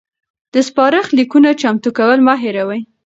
د سپارښت لیکونو چمتو کول مه هیروئ.